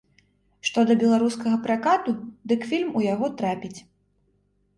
Што да беларускага пракату, дык фільм у яго трапіць.